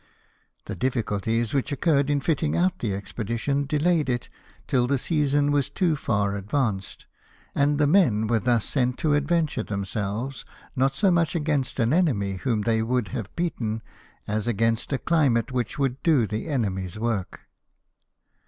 The difficulties which occurred in fitting out the expedition delayed it till the season was too far advanced ; and the men were thus sent to ad venture themselves, not so nuich against an enemy whom they would have beaten, as against a climate which would do the enemy's work.